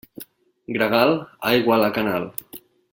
Gregal?, aigua a la canal.